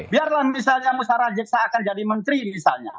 biarlah misalnya mustara jeksa akan jadi menteri misalnya